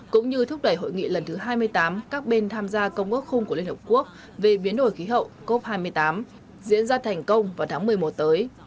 cũng như thúc đẩy hội nghị lần thứ hai mươi tám các bên tham gia công ước khung của liên hợp quốc về biến đổi khí hậu cop hai mươi tám diễn ra thành công vào tháng một mươi một tới